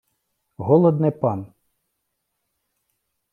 Голод не пан.